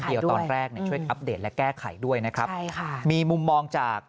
เดียวตอนแรกอัพเดตและแก้ไขด้วยนะครับมีมุมมองจากอดีต